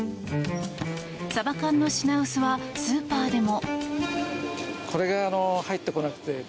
サバ缶の品薄はスーパーでも。